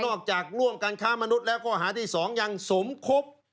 ออกจากร่วมการค้ามนุษย์แล้วข้อหาที่๒ยังสมคบ